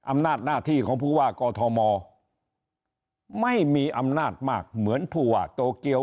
อำนาจหน้าที่ของผู้ว่ากอทมไม่มีอำนาจมากเหมือนผู้ว่าโตเกียว